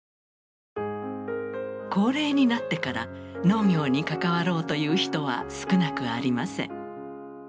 高齢になってから農業に関わろうという人は少なくありません。